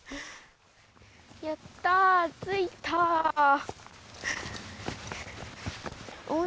やったー、着いたー。